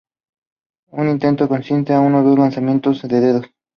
Un intento consiste en uno o dos lanzamientos de dados.